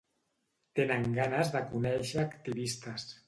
Tenen ganes de conèixer activistes.